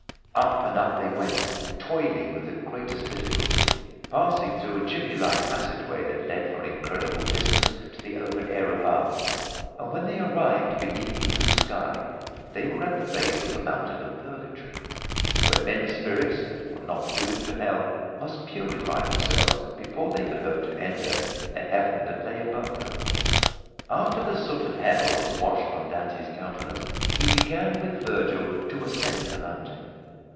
Up and up they went, toiling with the greatest difficulty, passing through a chimney like passageway that led for an incredible distance to the open air above; and when they arrived beneath the blue sky they were at the base of the Mountain of Purgatory, where men's spirits that were not doomed to Hell must purify themselves before they could hope to enter the Heaven that lay above them. After the soot of Hell was washed from Dante's countenance he began with Vergil to ascend the mountain.